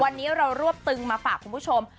วันนี้เรารวบตึงมาฝากคุณผู้ชม